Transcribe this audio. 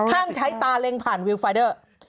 ใช้ตาเล็งผ่านวิวไฟเดอร์